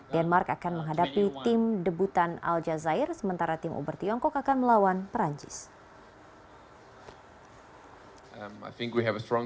denmark akan menghadapi tim debutan al jazeera sementara tim uber tiongkok akan melawan perancis